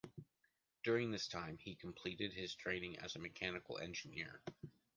During this time, he completed his training as a mechanical engineer.